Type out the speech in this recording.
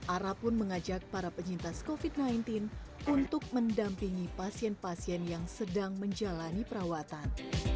ara pun mengajak para penyintas covid sembilan belas untuk mendampingi pasien pasien yang sedang menjalani perawatan